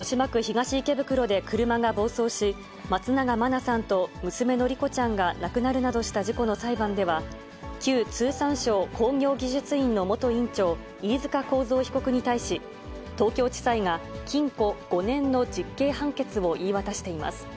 おととし、豊島区東池袋で車が暴走し、松永真菜さんと娘の莉子ちゃんが亡くなるなどした事故の裁判では、旧通産省工業技術院の元院長、飯塚幸三被告に対し、東京地裁が禁錮５年の実刑判決を言い渡しています。